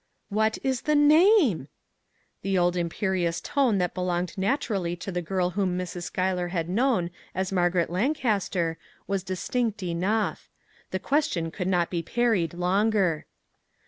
" What is the name? " The old imperious tone that belonged naturally to the girl whom Mrs. Schuyler had known as Margaret Lancas ter, was distinct enough. The question could not be parried longer.